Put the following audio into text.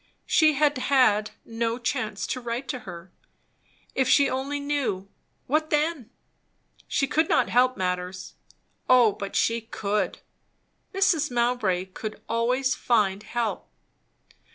She had had no chance to write to her. If she only knew! What then? she could not help matters. O but she could! Mrs. Mowbray could always find help.